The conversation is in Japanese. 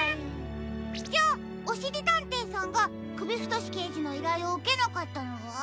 じゃあおしりたんていさんがくびふとしけいじのいらいをうけなかったのは？